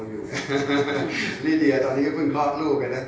นึกดีเหรอตอนนี้ก็เพิ่งคลอดลูก